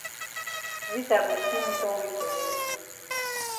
Rita go still meetup we for here.